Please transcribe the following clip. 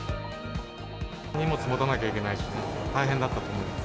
荷物持たなきゃいけないしね、大変だったと思うんです。